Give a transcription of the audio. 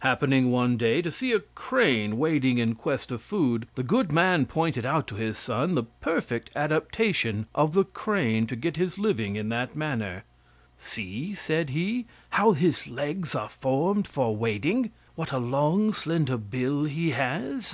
Happening, one day, to see a crane wading in quest of food, the good man pointed out to his son the perfect adaptation of the crane to get his living in that manner. "See," said he, "how his legs are formed for wading! What a long slender bill he has!